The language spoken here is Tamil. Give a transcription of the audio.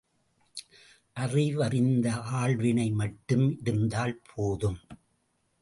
அறிவறிந்த ஆள்வினை மட்டும் இருந்தால் போதும்!